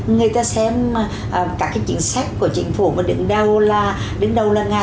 người ta xem các cái chính sách của chính phủ mà đến đâu là nga